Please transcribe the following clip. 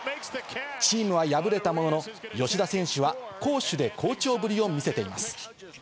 チームは敗れたものの、吉田選手は攻守で好調ぶりを見せています。